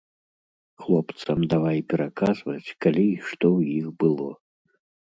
Хлопцам давай пераказваць, калі й што ў іх было.